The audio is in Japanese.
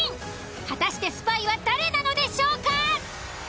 果たしてスパイは誰なのでしょうか？